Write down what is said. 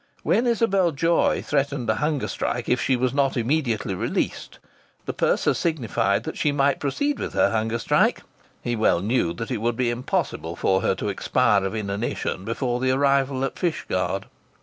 When Isabel Joy threatened a hunger strike if she was not immediately released, the purser signified that she might proceed with her hunger strike; he well knew that it would be impossible for her to expire of inanition before the arrival at Fishguard.